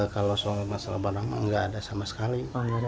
kalau soal masalah barang nggak ada sama sekali